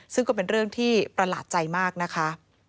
ซึ่งก็เป็นเรื่องที่ประหลาดใจมากนะคะ